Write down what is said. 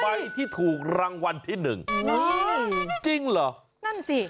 ใบที่ถูกรางวัลที่หนึ่งอืมจริงเหรอนั่นสิ